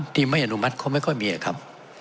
ที่ไม่อนุมัติเขาไม่ค่อยมีครับ